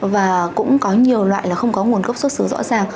và cũng có nhiều loại là không có nguồn gốc xuất xứ rõ ràng